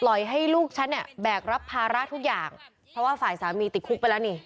ให้ลูกฉันเนี่ยแบกรับภาระทุกอย่างเพราะว่าฝ่ายสามีติดคุกไปแล้วนี่